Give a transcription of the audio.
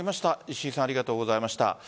石井さんありがとうございました。